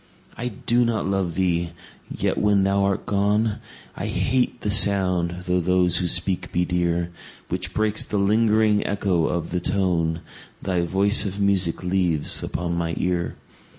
I do not love thee!—yet, when thou art gone, I hate the sound (though those who speak be dear) 10 Which breaks the lingering echo of the tone Thy voice of music leaves upon my ear.